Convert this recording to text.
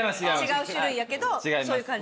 違う種類やけどそういう感じ？